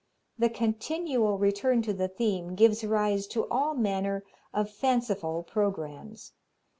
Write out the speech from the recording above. The continual return to the theme gives rise to all manner of fanciful programmes.